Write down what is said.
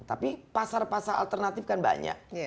tapi pasar pasar alternatif kan banyak